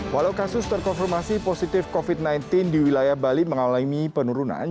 walau kasus terkonfirmasi positif covid sembilan belas di wilayah bali mengalami penurunan